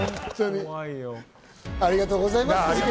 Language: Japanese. ありがとうございます。